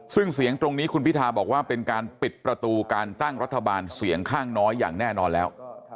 ซึ่งเสียงตรงนี้คุณพิทาบอกว่าเป็นการปิดประตูการตั้งรัฐบาลเสียงข้างน้อยอย่างแน่นอนแล้ว